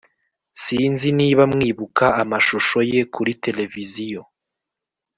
sinzi niba mwibuka amashusho ye kuri television,